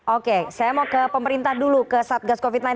oke saya mau ke pemerintah dulu ke satgas covid sembilan belas